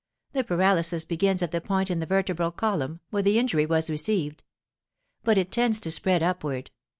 The paralysis begins at the point in the vertebral column where the injury was received. But it tends to spread upward.